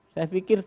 saya pikir cukup